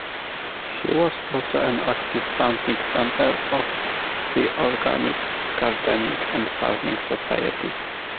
He was also an active founding member of the Organic Gardening and Farming Society.